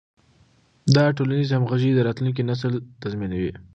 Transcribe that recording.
دا د ټولنیزې همغږۍ د راتلونکي نسل تضمینوي.